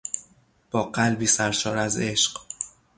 با قلبی سرشار از عشق